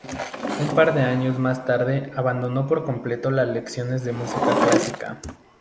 Un par de años más tarde abandonó por completo las lecciones de música clásica.